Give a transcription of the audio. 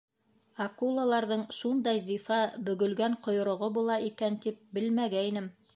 — Акулаларҙың шундай зифа бөгөлгән ҡойроғо була икән тип белмәгәйнем!